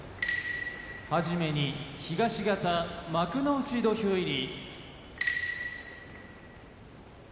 はじめに東方幕内土俵入り。